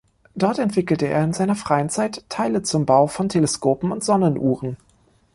Dort entwickelte er in seiner freien Zeit Teile zum Bau von Teleskopen und Sonnenuhren.